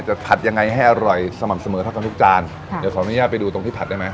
ผัดยังไงให้อร่อยสม่ำเสมอเท่ากันทุกจานค่ะเดี๋ยวขออนุญาตไปดูตรงที่ผัดได้ไหม